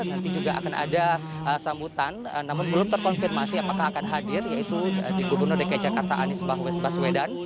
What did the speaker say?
nanti juga akan ada sambutan namun belum terkonfirmasi apakah akan hadir yaitu di gubernur dki jakarta anies baswedan